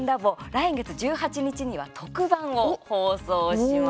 来月１８日には特番を放送します。